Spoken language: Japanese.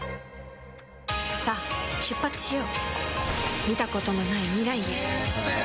さあ、出発しよう見たことない未来へ。